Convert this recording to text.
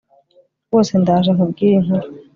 rwose ndaje nkubwire inkuru